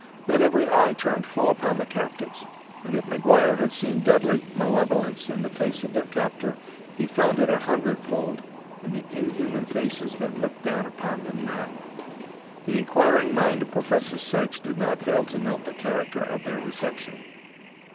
Then every eye turned full upon the captives, and if McGuire had seen deadly malevolence in the face of their captor he found it a hundred fold in the inhuman faces that looked down upon them now. The inquiring mind of Professor Sykes did not fail to note the character of their reception.